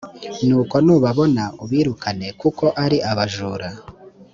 nuko nubabona ubirukane kuko ari abajura